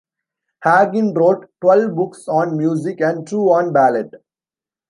Haggin wrote twelve books on music and two on ballet.